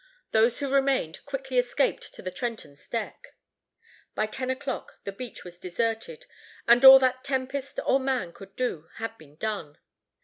Those who remained quickly escaped to the Trenton's deck. By ten o'clock the beach was deserted, and all that tempest or man could do had been done.